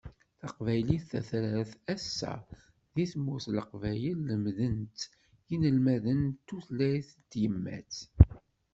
Taqbaylit tatrart, ass-a, deg tmurt n Leqbayel lemden-tt yinelmaden d tutlayt n tyemmat.